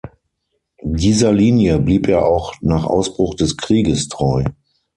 Dieser Linie blieb er auch nach Ausbruch des Krieges treu.